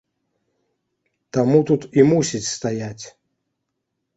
Таму тут і мусіць стаяць.